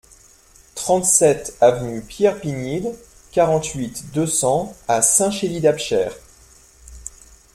trente-sept avenue Pierre Pignide, quarante-huit, deux cents à Saint-Chély-d'Apcher